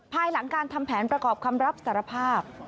ภายหลังการทำแผนประกอบคำรับสารภาพ